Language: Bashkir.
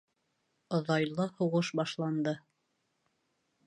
Оҙайлы һуғыш башланды.